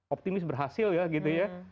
optimis berhasil ya gitu ya